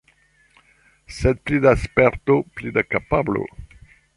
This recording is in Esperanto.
Sed pli da sperto, pli da kapablo.